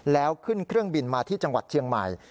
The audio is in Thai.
แล้วขึ้นเครื่องบินมาที่จังหวัดเชียงใหม่